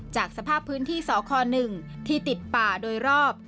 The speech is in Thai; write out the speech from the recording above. จากสภาพพื้นที่สค๑ที่ติดป่าโดยรอบ